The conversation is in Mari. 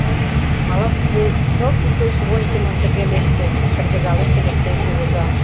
— Ала-кузе, чылт ушеш вочдымын, тыге лекте, — шыргыжалеш Элексей кугыза.